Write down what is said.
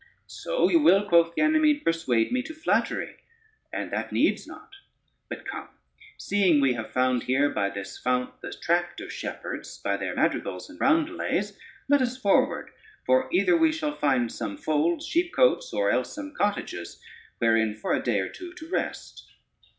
"So you will," quoth Ganymede, "persuade me to flattery, and that needs not: but come, seeing we have found here by this fount the tract of shepherds by their madrigals and roundelays, let us forward; for either we shall find some folds, sheepcotes, or else some cottages wherein for a day or two to rest."